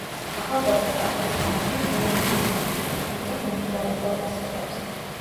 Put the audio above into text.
ახალგაზრდა ხის ვარჯი პირამიდისებურია, შემდეგ მომრგვალო ფორმას იღებს.